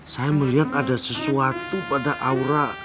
saya melihat ada sesuatu pada aura